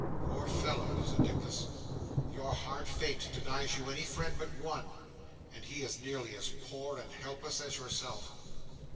'Poor fellow!' said Nicholas, 'your hard fate denies you any friend but one, and he is nearly as poor and helpless as yourself.